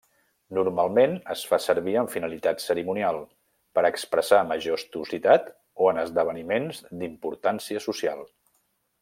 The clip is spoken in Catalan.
Normalment es fa servir amb finalitat cerimonial, per expressar majestuositat o en esdeveniments d'importància social.